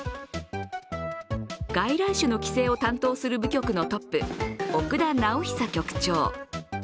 外来種の規制を担当する部局のトップ、奥田直久局長。